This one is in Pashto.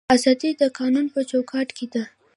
ازادي د قانون په چوکاټ کې ده